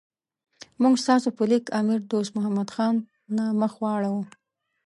موږ ستاسو په لیک امیر دوست محمد خان نه مخ واړاو.